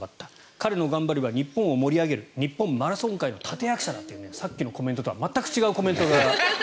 彼の頑張りは日本を盛り上げる日本マラソン界の立役者だというさっきのコメントとは全く違うコメントが。